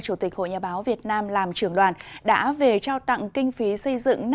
chủ tịch hội nhà báo việt nam làm trưởng đoàn đã về trao tặng kinh phí xây dựng